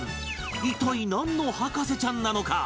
一体なんの博士ちゃんなのか？